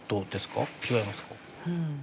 違いますか？